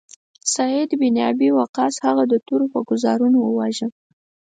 سعد بن ابی وقاص هغه د تورو په ګوزارونو وواژه.